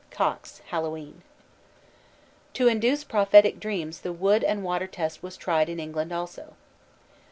COXE: Hallowe'en. To induce prophetic dreams the wood and water test was tried in England also.